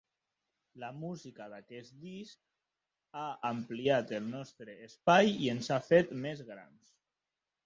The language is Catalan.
La música d'aquest disc ha ampliat el nostre espai i ens ha fet més grans.